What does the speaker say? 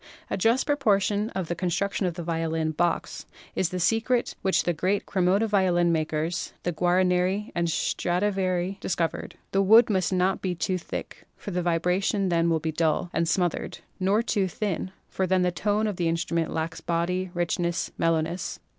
A just proportion in the construction of the violin "box" is the secret which the great Cremona violin makers — the Guar nerii and Stradivarii — discovered. The wood must not be too thick, for the vibration then will be dull and smoth ered, nor too thin, for then the tone of the instrument lacks body, richness, mellowness.